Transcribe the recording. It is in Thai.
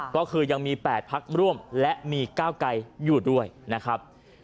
ก็คือยังมี๘พักร่วมและมีก้าวไกลอยู่ด้วยนะครับ